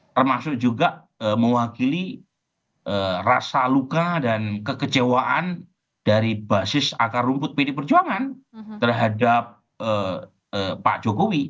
termasuk juga mewakili rasa luka dan kekecewaan dari basis akar rumput pd perjuangan terhadap pak jokowi